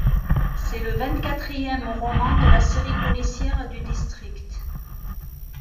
C’est le vingt-quatrième roman de la série policière du District.